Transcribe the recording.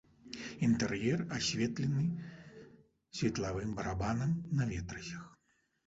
Інтэр'ер асветлены светлавым барабанам на ветразях.